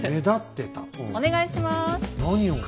お願いします。